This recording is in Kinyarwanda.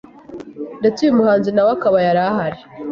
ndetse uyu muhanzi nawe akaba yarahari